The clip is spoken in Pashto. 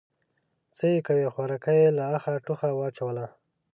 _څه يې کوې، خوارکی يې له اخه ټوخه واچوله.